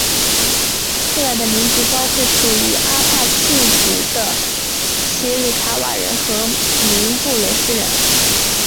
后来的民族包括属于阿帕契族的奇里卡瓦人和明布雷斯人。